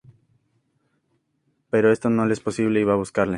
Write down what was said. Pero esto no le es posible y va a buscarle.